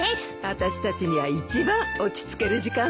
あたしたちには一番落ち着ける時間だね。